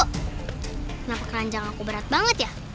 kenapa keranjang aku berat banget ya